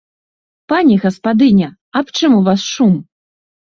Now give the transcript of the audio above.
Пані гаспадыня, аб чым у вас шум?